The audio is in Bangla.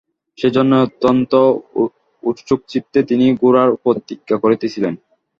সেইজন্যই অত্যন্ত উৎসুকচিত্তে তিনি গোরার প্রতীক্ষা করিতেছিলেন।